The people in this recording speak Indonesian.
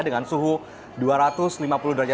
dengan suhu lima puluh enam puluh c